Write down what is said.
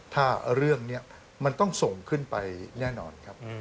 ถ้าเรื่องนี้มันต้องส่งขึ้นไปแน่นอนครับ